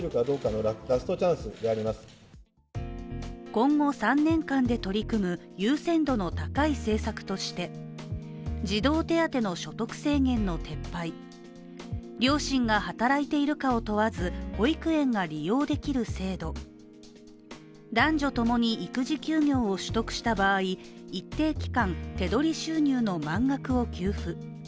今後３年間で取り組む優先度の高い政策として、児童手当の所得制限の撤廃両親が働いているかを問わず保育園が利用できる制度、男女とともに育児休業を取得した場合、一定期間、手取り収入の満額を給付。